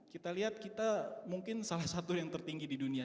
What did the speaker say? kita lihat kita mungkin salah satu yang tertinggi di dunia